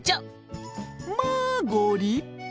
まあご立派。